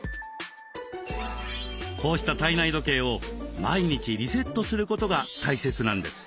こうした体内時計を毎日リセットすることが大切なんです。